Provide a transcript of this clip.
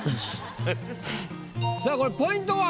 さぁこれポイントは？